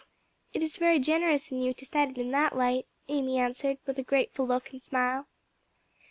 "It is very generous in you to set it in that light," Amy answered, with a grateful look and smile.